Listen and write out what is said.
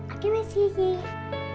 oke makasih ye